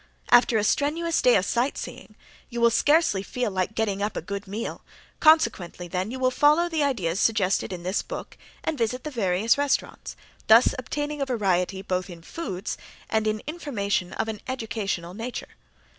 After a strenuous day of sight seeing you will scarcely feel like getting up a good meal, consequently then you will follow the ideas suggested in this book and visit the various restaurants, thus obtaining a variety both in foods and in information of an educational nature.